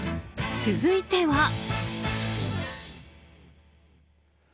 続いては。